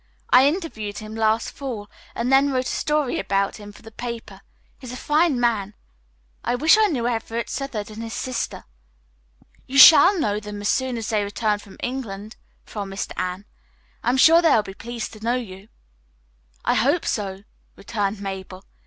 I interviewed him last fall and then wrote a story about him for the paper. He is a fine man. I wish I knew Everett Southard and his sister." "You shall know them as soon as they return from England," promised Anne. "I am sure they will be pleased to know you." "I hope so," returned Mabel.